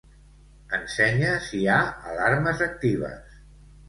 Ensenya si hi ha alarmes actives.